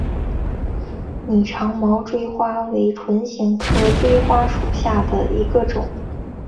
拟长毛锥花为唇形科锥花属下的一个种。